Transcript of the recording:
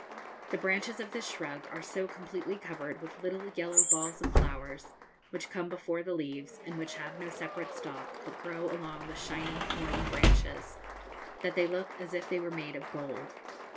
The branches of this shrub are so completely covered with little yellow balls of flowers, which come before the leaves, and which have no separate stalk, but grow along the shiny, horny branches, that they look as if they were made of gold.